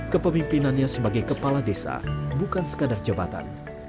kepemimpinannya sebagai kepala desa bukan sekadar jabatan